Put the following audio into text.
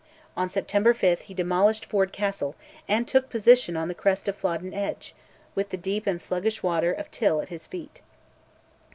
On September 5th he demolished Ford Castle, and took position on the crest of Flodden Edge, with the deep and sluggish water of Till at its feet.